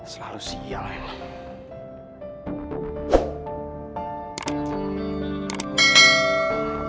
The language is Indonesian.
selalu siang emang